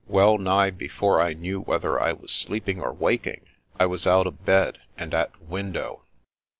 Well nigh before I knew whether I were sleeping or waking, I was out of bed and at the window.